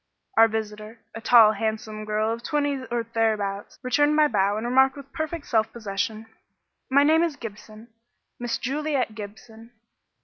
Our visitor, a tall handsome girl of twenty or thereabouts, returned my bow and remarked with perfect self possession, "My name is Gibson Miss Juliet Gibson.